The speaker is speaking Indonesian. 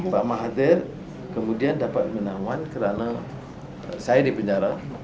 pak mahathir kemudian dapat menawan karena saya di penjara